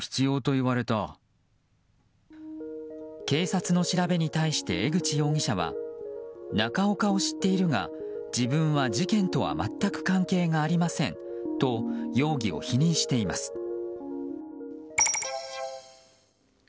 警察の調べに対して江口容疑者は中岡を知っているが自分は事件とは全く関係がありませんと容疑を否認しています。